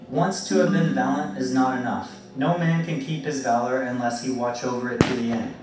Once to have been valiant is not enough; no man can keep his valour unless he watch over it to the end.